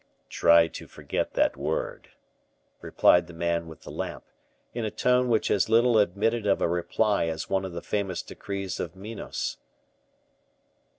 "Try to forget that word," replied the man with the lamp, in a tone which as little admitted of a reply as one of the famous decrees of Minos.